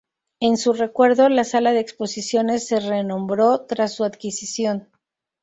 En su recuerdo, la sala de exposiciones se renombró tras su adquisición.